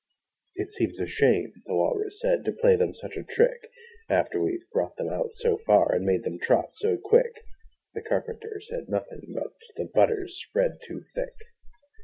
'It seems a shame,' the Walrus said, 'To play them such a trick. After we've brought them out so far, And made them trot so quick!' The Carpenter said nothing but 'The butter's spread too thick!'